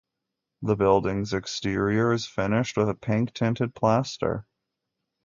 The building's exterior is finished with a pink tinted plaster.